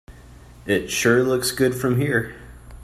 It sure looks good from here.